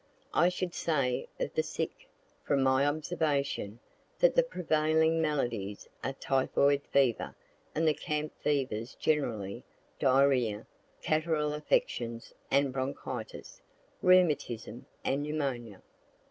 I should say of the sick, from my observation, that the prevailing maladies are typhoid fever and the camp fevers generally, diarrhoea, catarrhal affections and bronchitis, rheumatism and pneumonia.